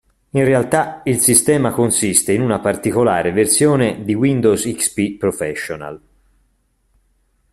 In realtà il sistema consiste in una particolare versione di Windows XP Professional.